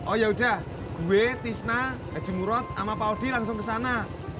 oh ya udah gue tisna eji murad sama pak odi langsung ke sana